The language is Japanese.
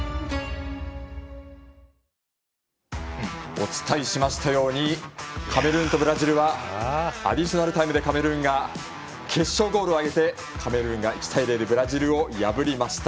お伝えしましたようにカメルーンとブラジルはアディショナルタイムでカメルーンが決勝ゴールを挙げてカメルーンが１対０でブラジルを破りました。